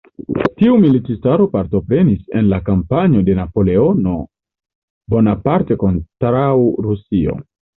Tiu militistaro partoprenis en la kampanjo de Napoleono Bonaparte kontraŭ Rusio.